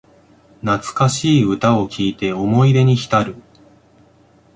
懐かしい歌を聴いて思い出にひたる